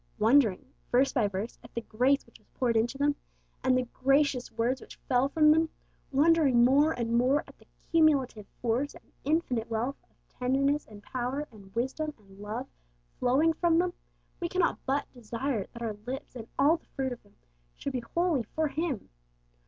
wondering, verse by verse, at the grace which was poured into them, and the gracious words which fell from them, wondering more and more at the cumulative force and infinite wealth of tenderness and power and wisdom and love flowing from them, we cannot but desire that our lips and all the fruit of them should be wholly for Him.